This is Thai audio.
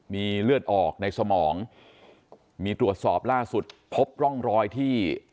มีเลือดออกในสมองมีตรวจสอบล่าสุดพบร่องรอยที่